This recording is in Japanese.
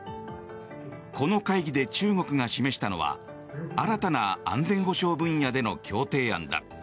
この会議で中国が示したのは新たな安全保障分野での協定案だ。